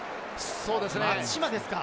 そうですね。